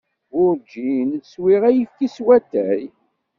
Werǧin swiɣ ayefki s watay.